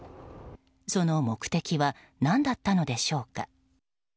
その目的は何だったのでしょうか。